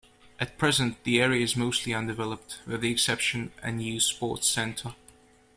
At present the area is mostly undeveloped, with the exception a new Sports Centre.